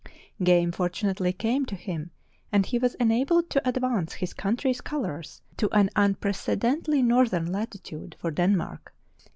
Game fortunately came to him and he was enabled to advance his country's colors to an unprecedentedly northern latitude for Denmark, 83.